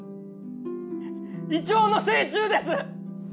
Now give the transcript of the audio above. イチョウの精虫です！